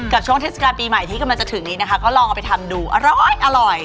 ช่วงเทศกาลปีใหม่ที่กำลังจะถึงนี้นะคะก็ลองเอาไปทำดูอร้อย